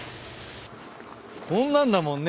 こんなんだもんね